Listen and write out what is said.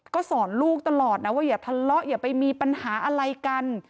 ก็สอนลูกตลอดนะว่าอย่าทะเลาะอย่าไปมีปัญหาอะไรกัน